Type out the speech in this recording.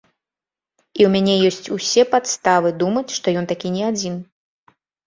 І ў мяне ёсць усе падставы думаць, што ён такі не адзін.